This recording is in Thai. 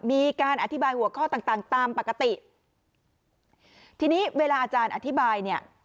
มีการอธิบายหัวข้อต่างต่างตามปกติทีนี้เวลาอาจารย์อธิบายเนี่ย